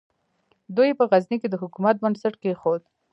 دوی په غزني کې د حکومت بنسټ کېښود.